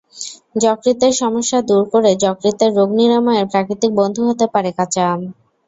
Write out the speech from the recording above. যকৃতের সমস্যা দূর করেযকৃতের রোগ নিরাময়ের প্রাকৃতিক বন্ধু হতে পারে কাঁচা আম।